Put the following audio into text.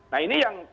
nah ini yang